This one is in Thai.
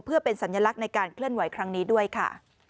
เพื่อเป็นสัญลักษณ์ในการเคลื่อนไหวครั้งนี้ด้วยค่ะ